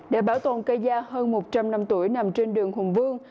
để bảo tồn cây gia hơn một trăm linh năm tuổi nằm trên đường hùng vương